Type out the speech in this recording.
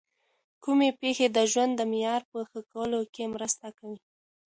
کومې پېښې د ژوند د معیار په ښه کولو کي مرسته کوي؟